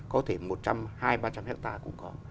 có thể một trăm linh hai trăm linh ba trăm linh hectare cũng có